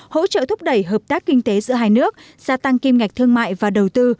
hỗ trợ thúc đẩy hợp tác kinh tế giữa hai nước gia tăng kim ngạch thương mại và đầu tư